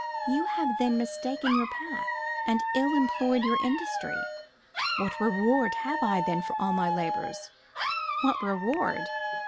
You have then mistaken your path, and ill employed your industry. "What reward have I then for all my labors?" What reward!